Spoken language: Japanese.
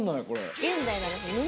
現代ならですね